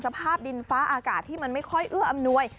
สภาพดินฟ้าอากาศที่มันไม่ค่อยเอื้ออำนวย